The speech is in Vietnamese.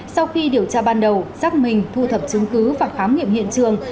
sau khi điều tra ban đầu giác mình thu thập chứng cứ và khám nghiệm hiện trường